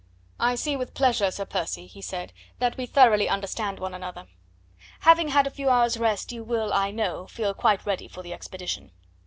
"I see with pleasure, Sir Percy," he said, "that we thoroughly understand one another. Having had a few hours' rest you will, I know, feel quite ready for the expedition.